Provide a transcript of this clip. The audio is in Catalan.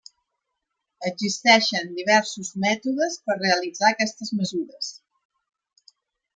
Existeixen diversos mètodes per realitzar aquestes mesures.